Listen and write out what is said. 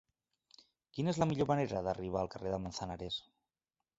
Quina és la millor manera d'arribar al carrer de Manzanares?